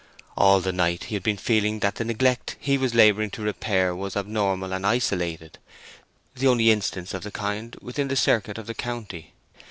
All the night he had been feeling that the neglect he was labouring to repair was abnormal and isolated—the only instance of the kind within the circuit of the county.